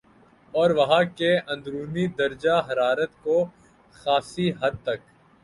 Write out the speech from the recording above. اور وہاں کے اندرونی درجہ حرارت کو خاصی حد تک